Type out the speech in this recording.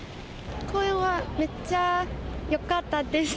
公演はめっちゃよかったです。